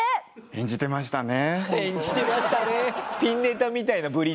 「演じてましたね」。